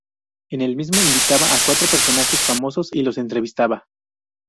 En el mismo invitaba a cuatro personajes famosos y los entrevistaba.